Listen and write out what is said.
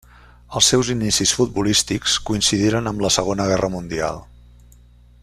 Els seus inicis futbolístics coincidiren amb la Segona Guerra Mundial.